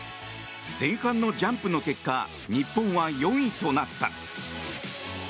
前半のジャンプの結果日本は４位となった。